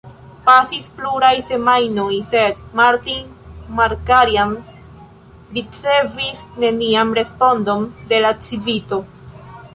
Pasis pluraj semajnoj, sed Martin Markarian ricevis nenian respondon de la Civito.